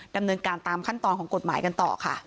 ดำเนินการตามขั้นตอนของกฎหมายกันต่อค่ะ